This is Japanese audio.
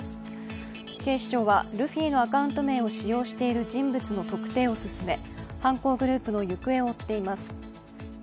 警視庁はルフィのアカウント名を使用している人物の特定を進め犯行グループの行方を追っています。